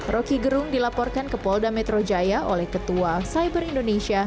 roky gerung dilaporkan ke polda metro jaya oleh ketua cyber indonesia